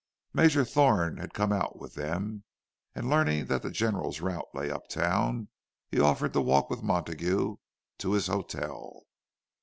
Major Thorne had come out with them; and learning that the General's route lay uptown, he offered to walk with Montague to his hotel.